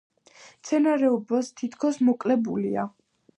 მცენარეულობას თითქმის მოკლებულია.